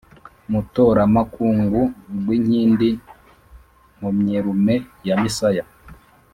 Mutoramakungu, Rwinkindi Nkomyerume ya Misaya